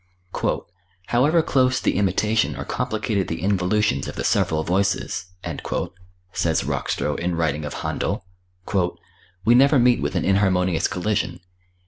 "However close the imitation or complicated the involutions of the several voices," says Rockstro, in writing of Händel, "we never meet with an inharmonious collision.